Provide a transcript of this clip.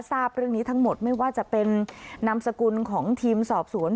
ทราบเรื่องนี้ทั้งหมดไม่ว่าจะเป็นนามสกุลของทีมสอบสวน